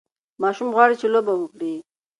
ماشوم غواړي چې لوبه وکړي.